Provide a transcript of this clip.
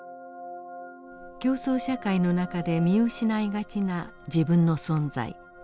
競争社会の中で見失いがちな自分の存在。